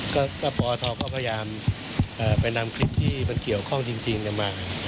ก็ปอทก็พยายามไปนำคลิปที่มันเกี่ยวข้องจริงมา